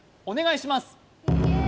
お願いします